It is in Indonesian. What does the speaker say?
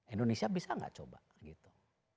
indonesia bisa nggak coba gitu